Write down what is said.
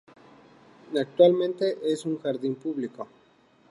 Actualmente es un jardín público.